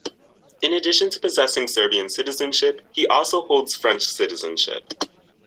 In addition to possessing Serbian citizenship, he also holds French citizenship.